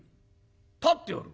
立っておる？